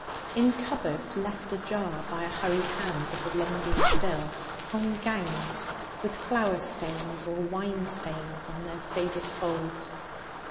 In cupboards left ajar by a hurried hand that had long been still, hung gowns with flower stains or wine stains on their faded folds.